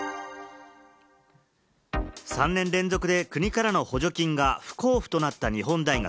３年連続で国からの補助金が不交付となった日本大学。